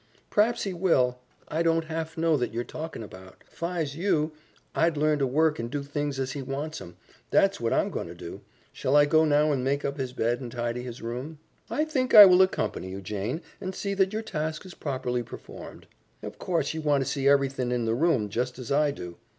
"P'raps he will. I don't half know that you're talkin' about. 'Fi's you, I'd learn to work and do things as he wants 'em. That's what I'm going to do. Shall I go now and make up his bed and tidy his room?" "I think I will accompany you, Jane, and see that your task is properly performed." "Of course you want to see everythin' in the room, just as I do."